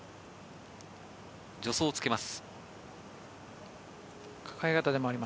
助走をつけます。